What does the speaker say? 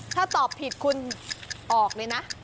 ถ้าตอบผิดคุณออกเลยนะ